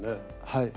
はい。